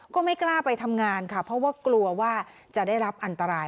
ก็ไม่กล้าไปทำงานค่ะเพราะว่ากลัวว่าจะได้รับอันตราย